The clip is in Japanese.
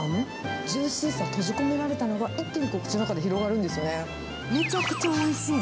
ジューシーさ閉じ込められたのが一気に口の中で広がるんですね。